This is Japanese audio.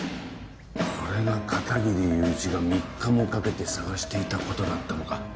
これが片切友一が３日もかけて探していた事だったのか。